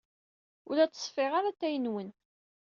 Ur la ttṣeffiɣ ara atay-nwen.